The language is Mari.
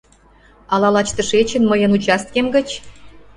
Ала лач тышечын, мыйын участкем гыч?